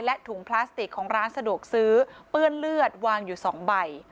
และถุงพลาสติกของร้านสะดวกซื้อเปื้อนเลือดวางอยู่๒ใบ